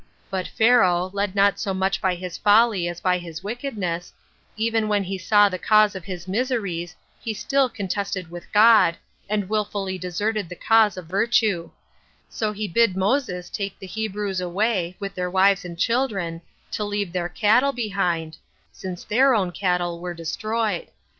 But Pharaoh, led not so much by his folly as by his wickedness, even when he saw the cause of his miseries, he still contested with God, and willfully deserted the cause of virtue; so he bid Moses take the Hebrews away, with their wives and children, to leave their cattle behind, since their own cattle were destroyed.